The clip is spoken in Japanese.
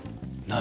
何？